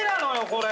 これ！